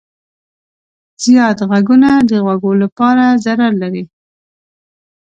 زیات غږونه د غوږو لپاره ضرر لري.